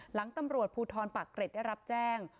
หลังตำรวจภูทรปากเกร็ดได้รับแจ้ง